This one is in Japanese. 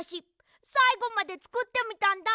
さいごまでつくってみたんだ。